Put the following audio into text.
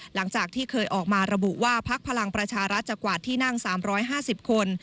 หลังจากที่เคยออกมาระบุว่าพักพลังประชารัฐจะกวาดที่นั่ง๓๕๐คน